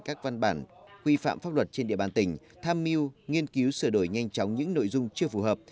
các văn bản quy phạm pháp luật trên địa bàn tỉnh tham mưu nghiên cứu sửa đổi nhanh chóng những nội dung chưa phù hợp